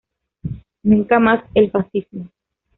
Nunca más el fascismo.